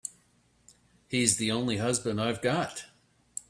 He's the only husband I've got.